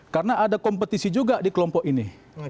karena ada kompetisi juga di kelompok ini